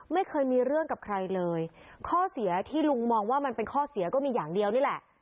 ไม่เคยมีเรื่องกับใครเลยข้อเสียที่ลุงมองว่ามันเป็นข้อเสียก็มีอย่างเดียวนี่แหละ